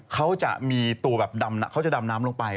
เขาจะมีตูแบบดำน้ำลงไป